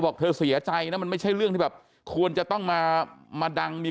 บอกเธอเสียใจนะมันไม่ใช่เรื่องที่แบบควรจะต้องมามาดังมี